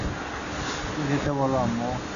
ওকে যেতে বলো, আম্মু।